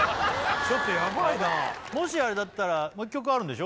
ちょっとヤバいなあもしあれだったらもう１曲あるんでしょ？